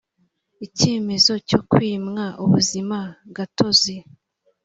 icyemezo cyo kwimwa ubuzimagatozi